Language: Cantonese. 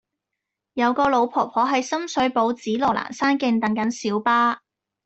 有個老婆婆喺深水埗紫羅蘭山徑等緊小巴